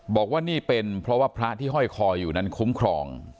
บอกว่านี่เป็นเพราะว่าพระที่ห้อยคออยู่นั้นคุ้มครอง